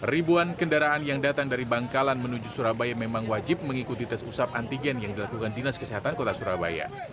ribuan kendaraan yang datang dari bangkalan menuju surabaya memang wajib mengikuti tes usap antigen yang dilakukan dinas kesehatan kota surabaya